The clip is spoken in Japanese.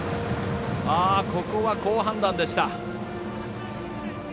ここは好判断でした。